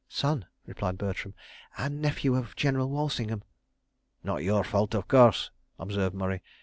"Son," replied Bertram, "and nephew of General Walsingham." "Not your fault, of course," observed Murray.